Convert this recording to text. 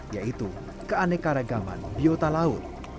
yaitu keanekaragaman biota laut